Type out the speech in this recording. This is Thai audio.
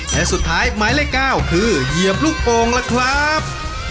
และสุดท้ายหมายเลข๙คือเหยียบลูกโป่งล่ะครับ